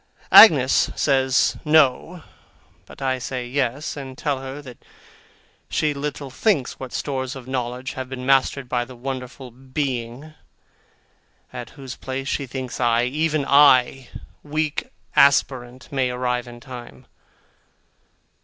Agnes says 'No,' but I say 'Yes,' and tell her that she little thinks what stores of knowledge have been mastered by the wonderful Being, at whose place she thinks I, even I, weak aspirant, may arrive in time.